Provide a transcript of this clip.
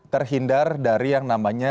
terhindar dari yang namanya